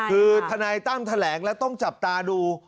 คือทนายตั้มแถลงแล้วต้องจับตาดู